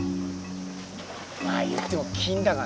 まあ言っても金だからね。